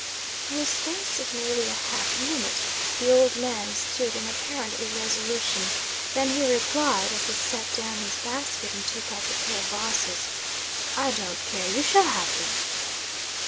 For the space of nearly half a minute, the old man stood in apparent irresolution, then he replied, as he set down his basket and took out the pair of vases "I don't care; you shall have them."